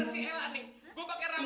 saya ada merasa giliran